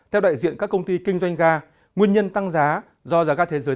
theo đại diện các công ty kinh doanh ga nguyên nhân tăng giá do giá ga thế giới